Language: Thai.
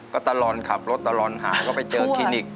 ก็ตลอดขับรถตลอดหาก็ไปเจอคลินิก